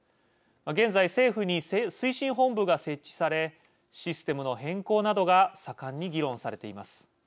現在、政府に推進本部が設置されシステムの変更などが盛んに議論されています。